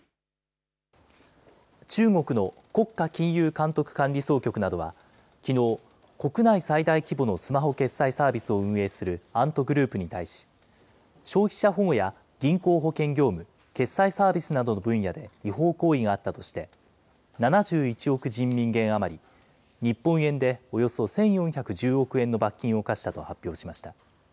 中国の国家金融監督管理総局などは、きのう、国内最大規模のスマホ決済サービスを運営するアントグループに対し、消費者保護や銀行・保険業務、決済サービスなどの分野で違法行為があったとして、７１億人民元余り、日本円でおよそ１４１０億円の罰金を科したと発表しました。